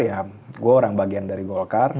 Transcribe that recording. ya gue orang bagian dari golkar